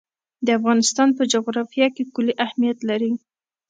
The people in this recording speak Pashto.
د افغانستان په جغرافیه کې کلي اهمیت لري.